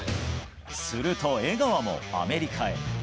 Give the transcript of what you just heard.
すると、江川もアメリカへ。